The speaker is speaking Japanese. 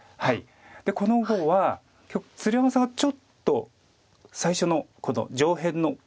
この碁は鶴山さんがちょっと最初のこの上辺の打ち込みですね。